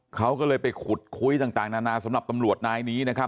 เขาก็เลยไปขุดคุยต่างนานาสำหรับตำรวจนายนี้นะครับ